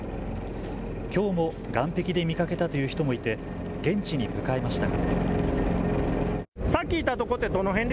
きょうも岸壁で見かけたという人もいて現地に向かいましたが。